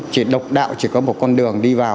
chỉ độc đạo chỉ có một con đường đi vào